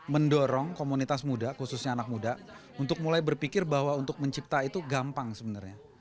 mendorong komunitas muda khususnya anak muda untuk mulai berpikir bahwa untuk mencipta itu gampang sebenarnya